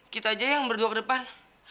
kita aja yang berdua ke depan